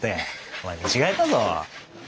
お前見違えたぞ。